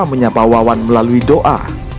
menyapa wawan melalui doa